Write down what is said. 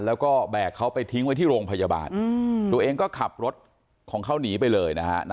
แล้วก็แบกเขาไปทิ้งไว้ที่โรงพยาบาลตัวเองก็ขับรถของเขาหนีไปเลยนะฮะ